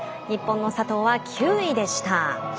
日本の佐藤は９位でした。